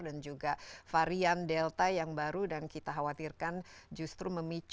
dan juga varian delta yang baru dan kita khawatirkan justru memicu